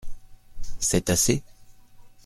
C’est assez ?